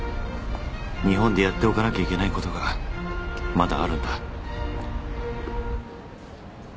日本でやっておかなきゃいけないことがまだあるんだ